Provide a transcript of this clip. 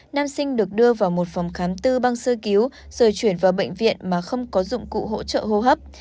nam sinh được đưa vào một phòng khám tư băng sơ cứu rồi chuyển vào bệnh viện mà không có dụng cụ hỗ trợ hô hấp